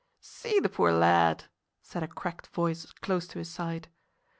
"See the poor lad," said a cracked voice close to his side.